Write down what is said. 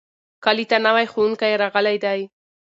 کلي ته نوی ښوونکی راغلی دی.